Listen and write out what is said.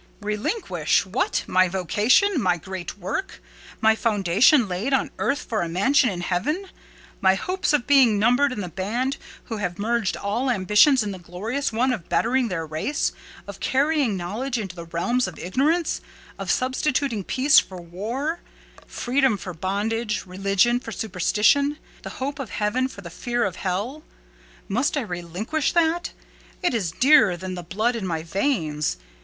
"Relinquish! What! my vocation? My great work? My foundation laid on earth for a mansion in heaven? My hopes of being numbered in the band who have merged all ambitions in the glorious one of bettering their race—of carrying knowledge into the realms of ignorance—of substituting peace for war—freedom for bondage—religion for superstition—the hope of heaven for the fear of hell? Must I relinquish that? It is dearer than the blood in my veins.